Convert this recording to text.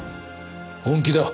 本気だ。